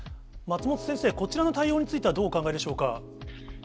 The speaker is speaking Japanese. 松本先生、こちらの対応についてはどうお考えでしょうか。